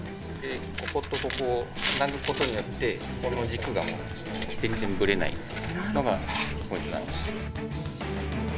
こことここをつなぐことによってこの軸が全然ブレないのがポイントなんです。